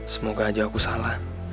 semoga aja aku salah